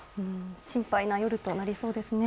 心配な夜となりそうですね。